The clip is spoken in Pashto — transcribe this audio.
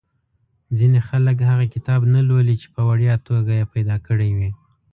ځینې خلک هغه کتاب نه لولي چې په وړیا توګه یې پیدا کړی وي.